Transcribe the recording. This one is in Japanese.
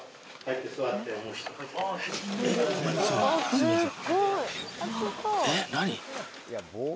すいません。